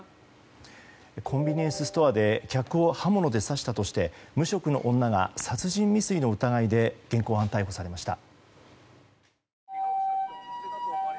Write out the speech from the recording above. コンビニエンスストアで客を刃物で刺したとして無職の女が殺人未遂の疑いで現行犯逮捕されました。